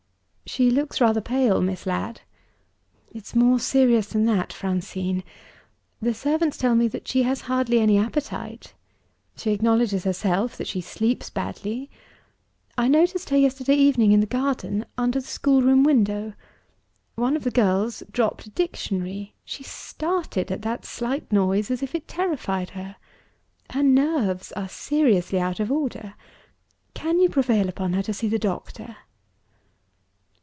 "She looks rather pale, Miss Ladd." "It's more serious than that, Francine. The servants tell me that she has hardly any appetite. She herself acknowledges that she sleeps badly. I noticed her yesterday evening in the garden, under the schoolroom window. One of the girls dropped a dictionary. She started at that slight noise, as if it terrified her. Her nerves are seriously out of order. Can you prevail upon her to see the doctor?"